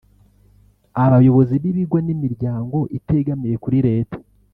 abayobozi b’ibigo n’imiryango itegamiye kuri leta